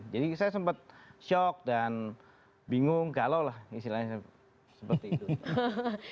jadi saya sempat shock dan bingung kalau lah istilahnya seperti itu